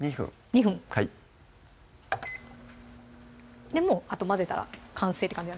２分もうあと混ぜたら完成って感じ